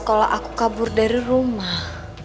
kalau aku kabur dari rumah